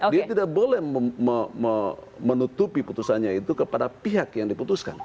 dia tidak boleh menutupi putusannya itu kepada pihak yang diputuskan